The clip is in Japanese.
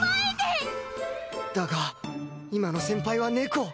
だが今の先輩は猫